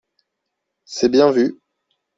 C’est bien vu